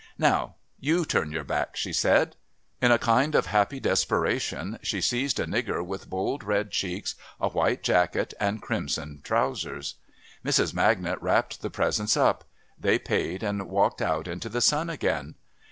"Now you turn your back," she said. In a kind of happy desperation she seized a nigger with bold red checks, a white jacket and crimson trousers. Mrs. Magnet wrapped the presents up. They paid, and walked out into the sun again.